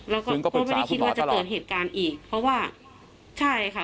แล้วก็ก็ไม่ได้คิดว่าจะเกิดเหตุการณ์อีกเพราะว่าใช่ค่ะ